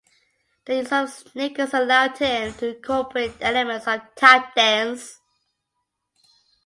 The use of sneakers allowed him to incorporate elements of tap dance.